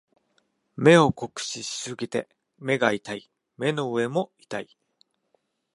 目を酷使しすぎて目が痛い。目の上も痛い。